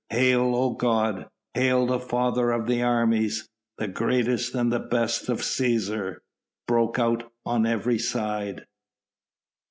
Hail, O God! Hail the Father of the Armies! the greatest and best of Cæsars!" broke out on every side.